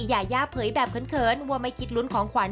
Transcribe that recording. ยายาเผยแบบเขินว่าไม่คิดลุ้นของขวัญ